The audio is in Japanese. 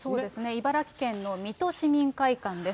茨城県の水戸市民会館です。